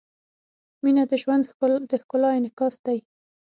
• مینه د ژوند د ښکلا انعکاس دی.